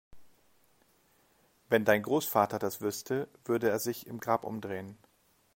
Wenn dein Großvater das wüsste, würde er sich im Grab umdrehen